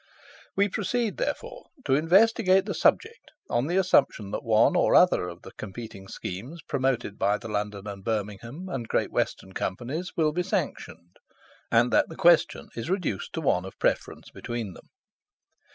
We proceed, therefore, to investigate the subject, on the assumption that one or other of the competing schemes promoted by the London and Birmingham, and Great Western Companies, will be sanctioned, and that the question is reduced to one of preference between them.